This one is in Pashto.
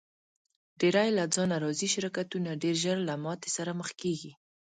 ډېری له ځانه راضي شرکتونه ډېر ژر له ماتې سره مخ کیږي.